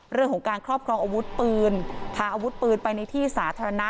เรื่องของการครอบครองอาวุธปืนพาอาวุธปืนไปในที่สาธารณะ